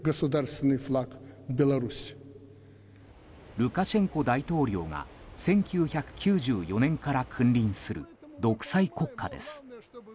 ルカシェンコ大統領が１９９４年から君臨する独裁国家です。